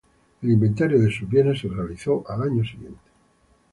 El inventario de sus bienes se realizó al año siguiente.